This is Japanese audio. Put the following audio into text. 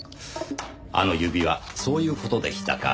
あの指はそういう事でしたか。